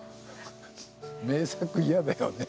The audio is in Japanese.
名作嫌だよね。